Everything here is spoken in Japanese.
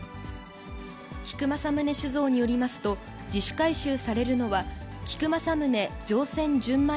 菊正宗酒造によりますと、自主回収されるのは、菊正宗上撰純米